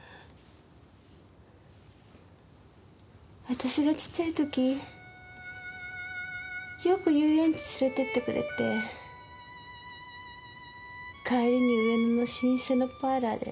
私がちっちゃい時よく遊園地連れてってくれて帰りに上野の老舗のパーラーで